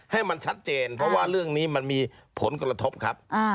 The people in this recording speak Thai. ให้มันชัดเจนเพราะว่าเรื่องนี้มันมีผลกระทบครับ